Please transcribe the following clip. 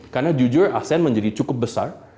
karena jujur asean menjadi cukup besar